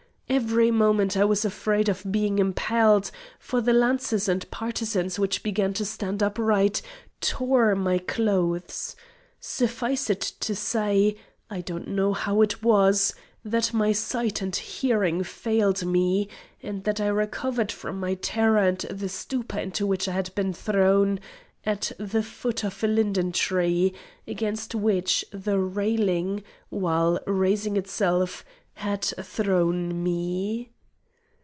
Every moment I was afraid of being impaled, for the lances and partisans which began to stand upright, tore my clothes. Suffice it to say, I do not know how it was, that my sight and hearing failed me, and that I recovered from my terror and the stupor into which I had been thrown, at the foot of a linden tree, against which the railing, while raising itself, had thrown me.